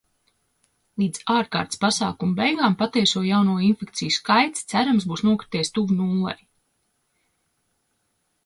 Līdz ārkārtas pasākumu beigām patieso jauno infekciju skaits, cerams, būs nokrities tuvu nullei.